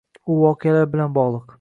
U voqealar bilan bog‘liq.